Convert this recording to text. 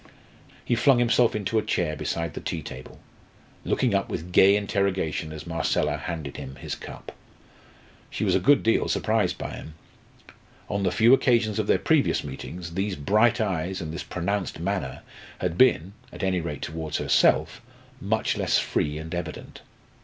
He flung himself into a chair beside the tea table, looking up with gay interrogation as Marcella handed him his cup. She was a good deal surprised by him. On the few occasions of their previous meetings, these bright eyes, and this pronounced manner, had been at any rate as towards herself much less free and evident.